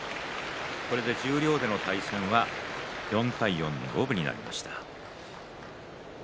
これで十両での対戦は４対４の五分になりました。